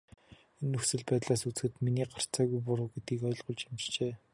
Энэ нөхцөл байдлаас үзэхэд миний гарцаагүй буруу гэдгийг ойлгуулж амжжээ.